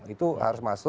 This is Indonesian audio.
itu harus masuk